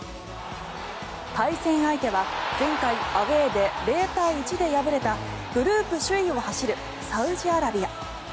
対戦相手は前回、アウェーで０対１で敗れたグループ首位を走るサウジアラビア。